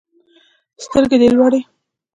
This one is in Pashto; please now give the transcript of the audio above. سترګي دي لوړی